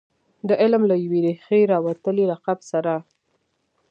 د علم له یوې ریښې راوتلي لقب سره.